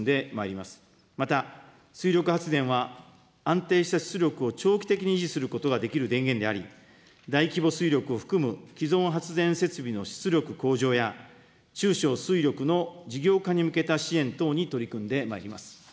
また、水力発電は、安定した出力を長期的に維持することができる電源であり、大規模水力を含む既存発電設備の出力向上や、中小水力の事業化に向けた支援等に取り組んでまいります。